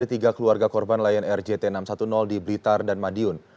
ketiga keluarga korban lion air jt enam ratus sepuluh di blitar dan madiun